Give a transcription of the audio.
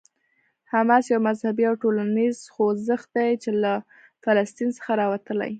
حماس یو مذهبي او ټولنیز خوځښت دی چې له فلسطین څخه راوتلی.